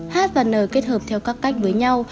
h và n kết hợp theo các cách với nhau